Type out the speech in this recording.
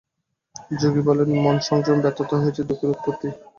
যোগী বলেন, মনঃসংযমে ব্যর্থতা হইতেই দুঃখের উৎপত্তি।